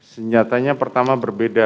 senjatanya pertama berbeda